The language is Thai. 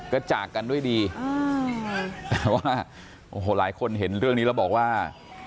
ก็จากกันด้วยดีแต่ว่าโอ้โหหลายคนเห็นเรื่องนี้แล้วบอกว่า